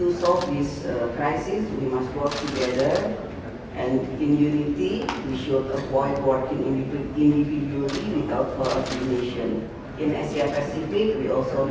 untuk menangani krisis ini kita harus bekerja bersama